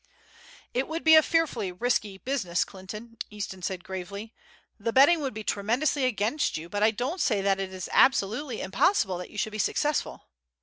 "It would be a fearfully risky business, Clinton," Easton said gravely. "The betting would be tremendously against you, but I don't say that it is absolutely impossible that you should be successful.